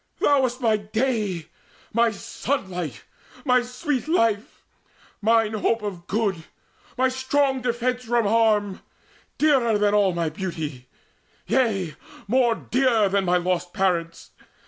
Thou wast my day, my sunlight, my sweet life, Mine hope of good, my strong defence from harm, Dearer than all my beauty yea, more dear Than my lost parents!